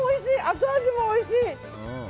後味もおいしい。